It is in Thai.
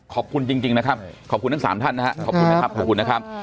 ขอบคุณจริงนะครับขอบคุณทั้ง๓ท่านนะครับขอบคุณนะครับขอบคุณนะครับ